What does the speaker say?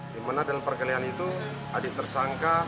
dimana dalam perkelian itu adik tersangka